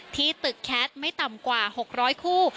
ที่ตึกแคทไม่ต่ำกว่า๖๐๐คู่